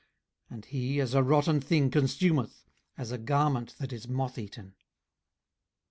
18:013:028 And he, as a rotten thing, consumeth, as a garment that is moth eaten.